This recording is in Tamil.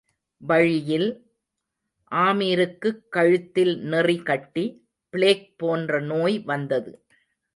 வழியில், ஆமிருக்குக் கழுத்தில் நெறி கட்டி, பிளேக் போன்ற நோய் வந்தது.